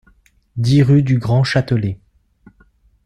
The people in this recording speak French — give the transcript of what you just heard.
dix rue du Grand Châtelet